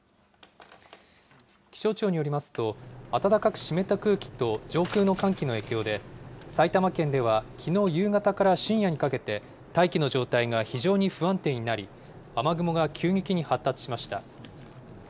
気象庁によりますと、暖かく湿った空気と上空の寒気の影響で、埼玉県ではきのう夕方から深夜にかけて、大気の状態が非常に不安定になり、雨雲が急激に発達しました。